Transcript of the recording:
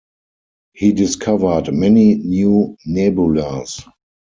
He discovered many new nebulas.